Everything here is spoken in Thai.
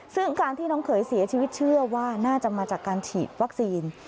ซึ่งการที่น้องเขยเสียชีวิตเชื่อว่าน่าจะมาจากการฉีดวัคซีน